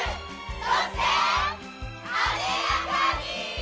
そして艶やかに！